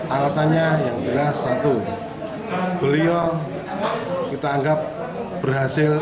alasannya yang jelas satu beliau kita anggap berhasil